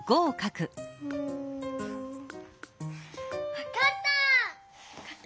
わかった！